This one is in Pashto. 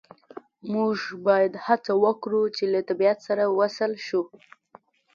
موږ باید هڅه وکړو چې له طبیعت سره وصل شو